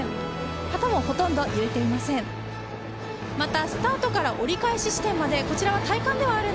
旗もほとんど揺れていません。